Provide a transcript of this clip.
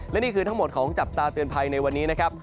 และนี่คือทั้งหมดของจับตาเตือนภัยในวันนี้นะครับ